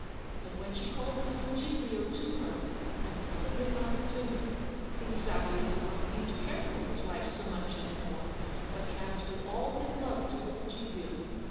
But when she called her little Giglio to her, and put the ring on his finger, King Savio did not seem to care for his wife so much any more, but transferred all his love to little Giglio.